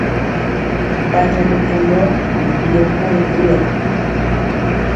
Mpanjɔ bitundɔ i bilɔ ko ri bulɔ.